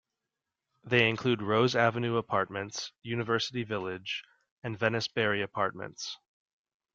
They include Rose Avenue Apartments, University Village, and Venice-Barry Apartments.